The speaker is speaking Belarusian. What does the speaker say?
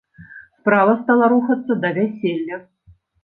Справа стала рухацца да вяселля.